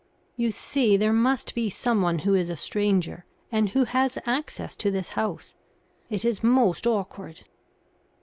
"You see, there must be someone who is a stranger and who has access to this house. It is most awkward."